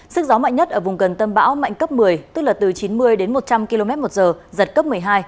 sức gió mạnh nhất ở vùng gần tâm bão mạnh cấp một mươi tức là từ chín mươi đến một trăm linh km một giờ giật cấp một mươi hai